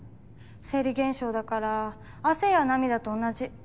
生理現象だから汗や涙と同じ。